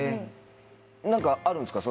何かあるんですか？